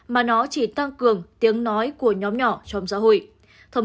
mà nó chỉ tăng cường tiếng nói của nhóm nhỏ trong xã hội